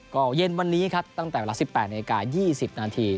ก็เย็นวันนี้ครับตั้งแต่เวลา๑๘นาที๒๐นาที